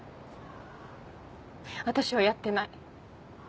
私はやってない。